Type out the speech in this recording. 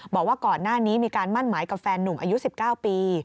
บอกว่าก่อนหน้านี้มีการมั่นหมายกับแฟนหนุ่มอายุ๑๙ปี